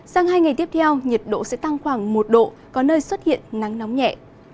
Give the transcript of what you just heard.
sang hai ngày tiếp theo nhiệt độ sẽ tăng khoảng một độ có nơi xuất hiện nắng nóng nhẹ